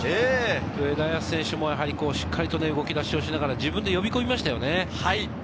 上田綺世選手もしっかりと動きだしをしながら自分で呼び込みましたね。